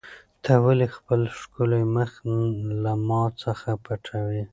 ته ولې خپل ښکلی مخ له ما څخه پټوې؟